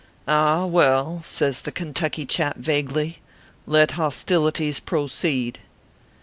"Ah well," says the Kentucky chap, vaguely, " let hostilities proceed."